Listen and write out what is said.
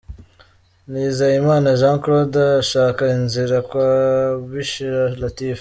Nizeyimana Jean Claude ashaka inzira kwa Bishira Latif.